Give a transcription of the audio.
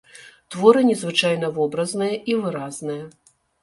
Творы незвычайна вобразныя і выразныя.